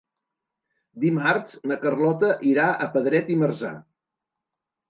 Dimarts na Carlota irà a Pedret i Marzà.